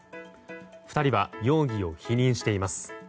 ２人は容疑を否認しています。